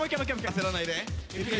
焦らないで。